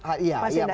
masih tidak cukup ya